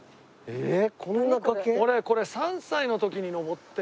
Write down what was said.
えっ？